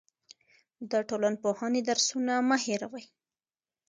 د ټولنپوهنې درسونه مه هېروئ.